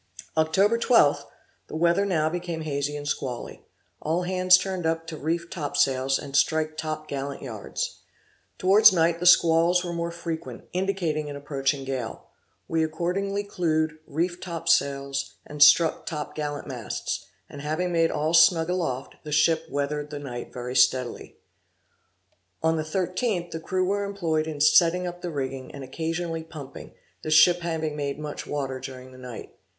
Oct. 12th, the weather now became hazy and squally; all hands turned up to reef top sails, and strike top gallant yards. Towards night the squalls were more frequent, indicating an approaching gale: We accordingly clued, reefed top sails, and struck top gallant masts; and having made all snug aloft, the ship weathered the night very steadily. On the 13th the crew were employed in setting up the rigging, and occasionally pumping, the ship having made much water during the night.